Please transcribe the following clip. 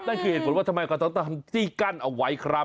นั่นคือเหตุผลว่าทำไมเขาต้องทำที่กั้นเอาไว้ครับ